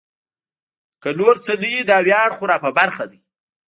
که نور څه نه وي دا ویاړ خو را په برخه دی.